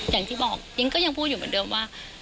อย่างที่บอกยังก็ยังพูดอยู่เหมือนเดิมว่า